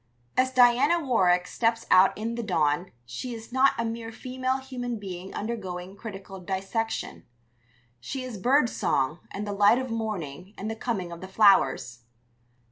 As Diana Warwick steps out in the dawn she is not a mere female human being undergoing critical dissection; she is bird song and the light of morning and the coming of the flowers.